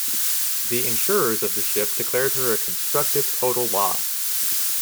The insurers of the ship declared her a constructive total loss.